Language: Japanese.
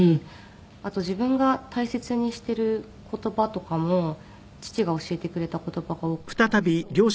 あと自分が大切にしている言葉とかも父が教えてくれた言葉が多かったりして。